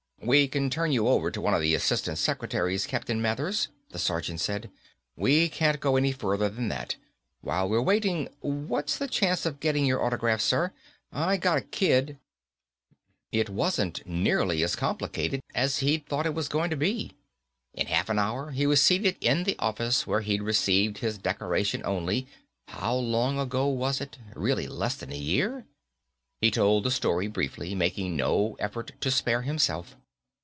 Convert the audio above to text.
"We can turn you over to one of the assistant secretaries, Captain Mathers," the sergeant said. "We can't go any further than that. While we're waiting, what's the chances of getting your autograph, sir? I gotta kid ..." It wasn't nearly as complicated as he'd thought it was going to be. In half an hour he was seated in the office where he'd received his decoration only how long ago was it, really less than a year? He told the story briefly, making no effort to spare himself.